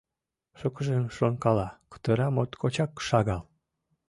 Шукыжым шонкала, кутыра моткочак шагал.